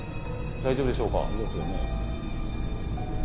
大丈夫でしょうか。